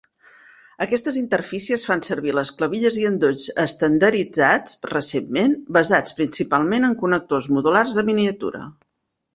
Aquestes interfícies fan servir les clavilles i endolls estandarditzats recentment, basats principalment en connectors modulars en miniatura.